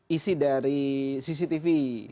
isi dari cctv